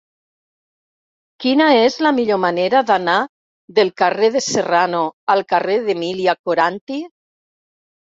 Quina és la millor manera d'anar del carrer de Serrano al carrer d'Emília Coranty?